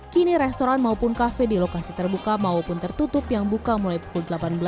kini restoran maupun kafe di lokasi terbuka maupun tertutup yang buka mulai pukul delapan belas